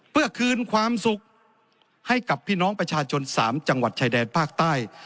เพื่อคืนความสุขให้กับพี่น้องประชาชน๓จังหวัดชายแดนภาคใต้